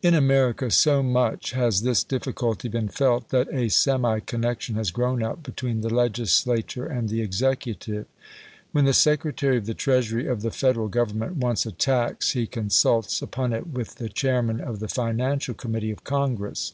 In America so much has this difficulty been felt that a semi connection has grown up between the legislature and the executive. When the Secretary of the Treasury of the Federal Government wants a tax he consults upon it with the chairman of the Financial Committee of Congress.